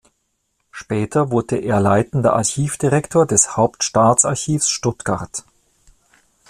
Später wurde er leitender Archivdirektor des Hauptstaatsarchivs Stuttgart.